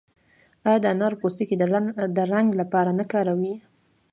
آیا د انارو پوستکي د رنګ لپاره نه کاروي؟